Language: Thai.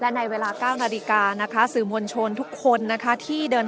ในเวลา๙นาฬิกานะคะสื่อมวลชนทุกคนนะคะที่เดิน